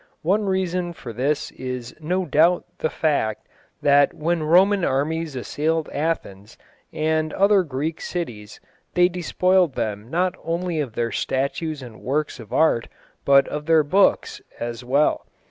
One reason for this is no doubt the fact that when Roman armies assailed Athens and other Greek cities they despoiled them not only of their statues and works of art, but of their books as well.